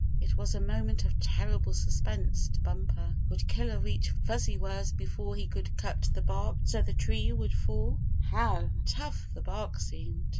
It was a moment of terrible suspense to Bumper. Would Killer reach Fuzzy Wuzz be fore he could cut the bark so the tree would fall? How tough the bark seemed!